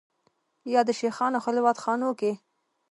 یا د شېخانو خلوت خانو کې